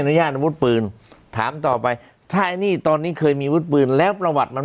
ญาตอาวุธปืนถามต่อไปถ้าไอ้นี่ตอนนี้เคยมีวุฒิปืนแล้วประวัติมัน